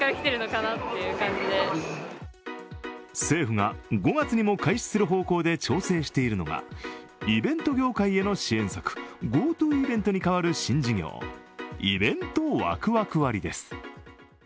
政府が５月にも開始する方向で調整しているのがイベント業界への支援策、ＧｏＴｏイベントに代わる新事業、イベントワクワク割です。